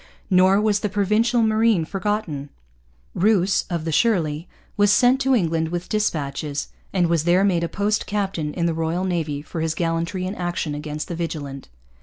Nor was the Provincial Marine forgotten. Rous, of the Shirley, was sent to England with dispatches, and was there made a post captain in the Royal Navy for his gallantry in action against the Vigilant.